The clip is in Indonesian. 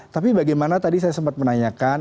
tapi bagaimana tadi saya sempat menanyakan